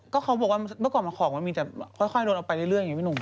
ก็เขาบอกว่าเมื่อก่อนของมันมีแต่ค่อยโดนเอาไปเรื่อยอย่างนี้พี่หนุ่ม